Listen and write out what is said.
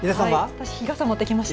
私、日傘持って来ました。